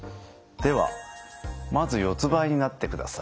ではまず四つばいになってください。